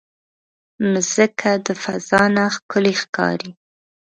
مځکه د فضا نه ښکلی ښکاري.